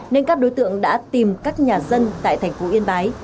nên các đối tượng đã tìm các nhà dân tại thành phố yên bái